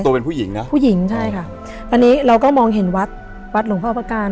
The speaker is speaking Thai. เป็นผู้หญิงนะผู้หญิงใช่ค่ะตอนนี้เราก็มองเห็นวัดวัดหลวงพ่อประการ